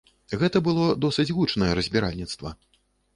Гэта было досыць гучнае разбіральніцтва.